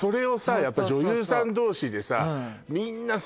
やっぱ女優さん同士でさみんなさ